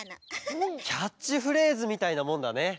キャッチフレーズみたいなもんだね。